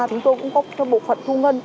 chúng tôi cũng có bộ phận thu ngân